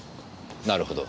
なるほど。